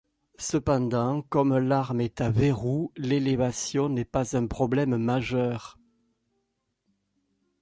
Cependant, comme l'arme est à verrou, l'élévation n'est pas un problème majeur.